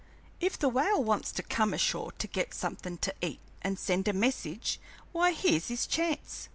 "If the whale wants to come ashore to get somethin' to eat and send a message, why, here's his chance!"